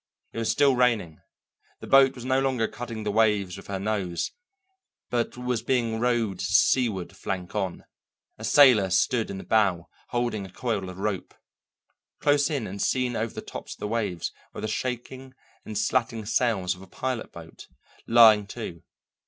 It was still raining; the boat was no longer cutting the waves with her nose, but was being rowed seaward flank on; a sailor stood in the bow holding a coil of rope. Close in and seen over the tops of the waves were the shaking and slatting sails of a pilot boat, lying to.